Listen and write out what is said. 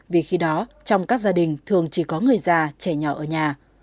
vì khi đó trong các gia đình thường chỉ có người già trẻ nhỏ ở nhà